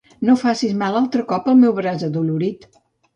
No facis mal altre cop al meu braç adolorit.